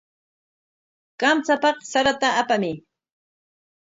Kamchapaq sarata apamuy.